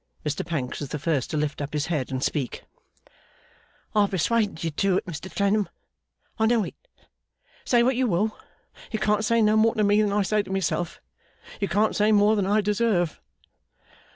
Mr Pancks was the first to lift up his head and speak. 'I persuaded you to it, Mr Clennam. I know it. Say what you will. You can't say more to me than I say to myself. You can't say more than I deserve.